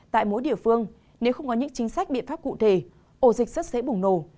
tại mỗi địa phương nếu không có những chính sách biện pháp cụ thể ổ dịch rất dễ bùng nổ